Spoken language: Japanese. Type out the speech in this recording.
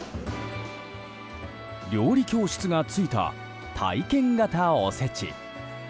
料理教室がついた体験型おせち。